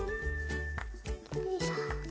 よいしょ。